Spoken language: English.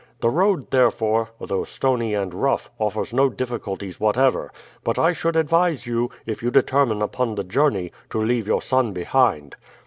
The road, therefore, though stony and rough, offers no difficulties whatever; but I should advise you, if you determine upon the journey, to leave your son behind."